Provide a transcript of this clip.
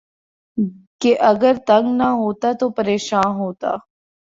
کہ اگر تنگ نہ ہوتا تو پریشاں ہوتا